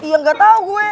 iya gak tau gue